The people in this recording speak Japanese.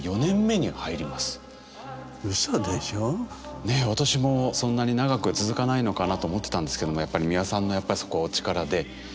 ねえ私もそんなに長くは続かないのかなと思ってたんですけどもやっぱり美輪さんのやっぱりそこはお力で。